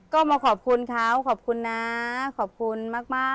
ก็มาขอบคุณเขาขอบคุณนะขอบคุณมาก